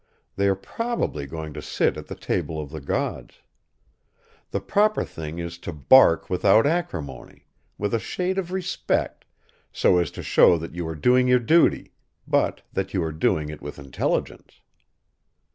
They are probably going to sit at the table of the gods. The proper thing is to bark without acrimony, with a shade of respect, so as to show that you are doing your duty, but that you are doing it with intelligence.